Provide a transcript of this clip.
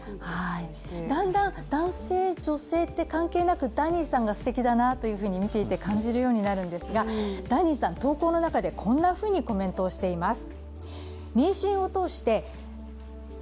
だんだん、男性、女性って関係なくダニーさんがすてきだなというふうに見ていて感じるようになるんですがダニーさん、投稿の中でこんなふうにコメントしています。